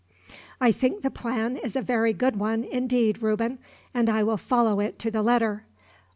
"I think the plan is a very good one, indeed, Reuben; and I will follow it to the letter.